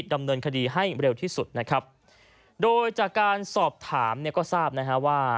ดำเนินคดีให้เร็วที่สุดนะครับโดยจากการสอบถามเนี่ยก็ทราบนะฮะว่า